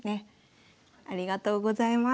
ありがとうございます。